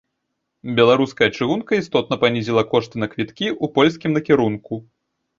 Беларуская чыгунка істотна панізіла кошты на квіткі ў польскім накірунку.